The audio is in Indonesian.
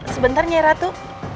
sebentar nyai ratu